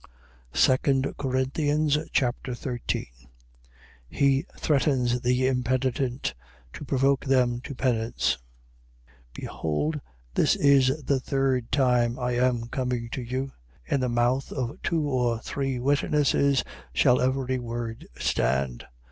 2 Corinthians Chapter 13 He threatens the impenitent, to provoke them to penance. 13:1. Behold, this is the third time I am coming to you: In the mouth of two or three witnesses shall every word stand.